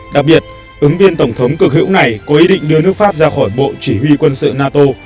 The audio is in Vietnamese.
đặc biệt ứng viên tổng thống cực hữu này có ý định đưa nước pháp ra khỏi bộ chỉ huy quân sự nato